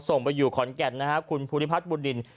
ส่งไปอยู่ขอนแก่นนะครับคุณภูริพัฒน์บุญดิน